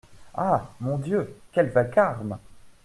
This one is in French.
Ah ! mon Dieu ! quel vacarme !…